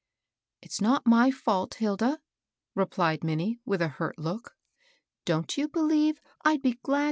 "It's not my fijult, Hilda," replied Minnie, with a hurt look. " Don't you believe I'd be glad 82 MABEL ROSS.